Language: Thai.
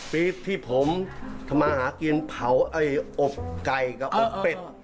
ปี๊ดที่ผมทำมาหากินเผาอบไก่กับอบเป็ด